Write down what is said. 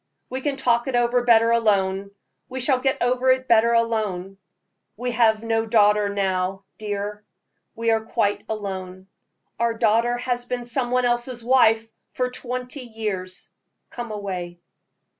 We can talk it over better alone we shall get over it better alone. We have no daughter now, dear we are quite alone. Our daughter has been some one else's wife for twenty years. Come away!"